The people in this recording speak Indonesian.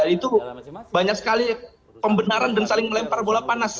itu banyak sekali pembenaran dan saling melempar bola panas